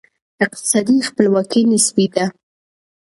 اقتصادي خپلواکي نسبي ده.